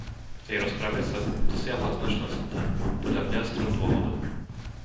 V tej rozprave sa dosiahla značná zhoda, podľa mňa z troch dôvodov.